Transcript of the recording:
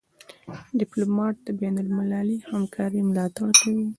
ډيپلومات د بینالمللي همکارۍ ملاتړ کوي.